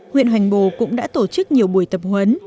huyện hoành bồ cũng đã tổ chức nhiều buổi tập huấn